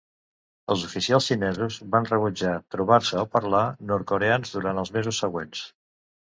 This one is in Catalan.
Els oficials xinesos van rebutjar trobar-se o parlar nord-coreans durant els mesos següents.